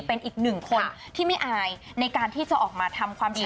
เป็นอีกหนึ่งคนที่ไม่อายในการที่จะออกมาทำความดี